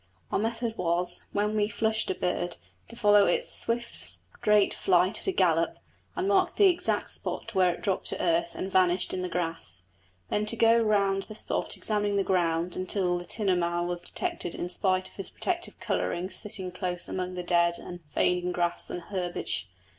Our method was, when we flushed a bird, to follow its swift straight flight at a gallop, and mark the exact spot where it dropped to earth and vanished in the grass, then to go round the spot examining the ground until the tinamou was detected in spite of his protective colouring sitting close among the dead and fading grass and herbage.